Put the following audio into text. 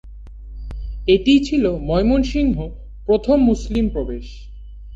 এটিই ছিল ময়মনসিংহ প্রথম মুসলিম প্রবেশ।